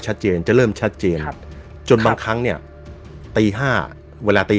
ชัดเจนจะเริ่มชัดเจนครับจนบางครั้งเนี่ยตีห้าเวลาตี